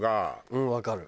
うんわかる。